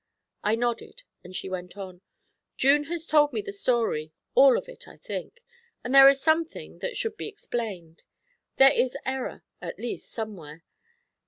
I nodded, and she went on: 'June has told me the story, all of it, I think, and there is something that should be explained; there is error, at least, somewhere.